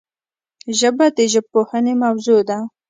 ژبه د ژبپوهنې موضوع ده